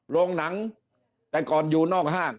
โรงหนังแต่ก่อนอยู่นอกห้าง